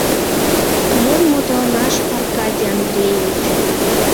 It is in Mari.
Мом мутланаш, Аркадий Андреевич!